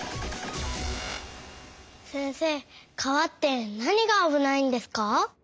せんせい川ってなにがあぶないんですか？